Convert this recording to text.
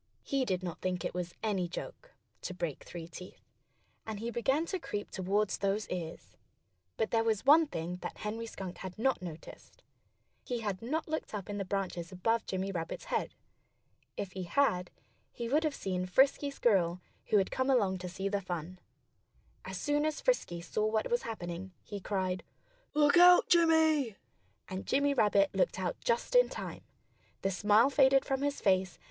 He did not think it was any joke, to break three teeth. And he began to creep toward those ears. But there was one thing that Henry Skunk had not noticed. He had not looked up in the branches above Jimmy Rabbit's head. If he had, he would have seen Frisky Squirrel, who had come along to see the fun. As soon as Frisky saw what was happening, he cried: "Look out, Jimmy!" And Jimmy Rabbit looked out just in time. The smile faded from his face.